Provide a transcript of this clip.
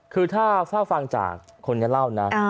คือถ้าเฝ้าฟังจากคนจะเล่านาน